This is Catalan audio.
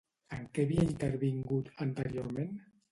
En què havia intervingut, anteriorment?